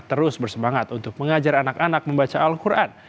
terus bersemangat untuk mengajar anak anak membaca al quran